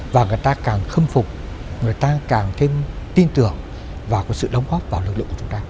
và người ta càng khâm phục người ta càng thêm tin tưởng và có sự đóng góp vào lực lượng của chúng ta